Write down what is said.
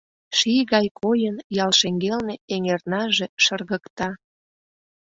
Ший гай койын, ял шеҥгелне эҥернаже шыргыкта.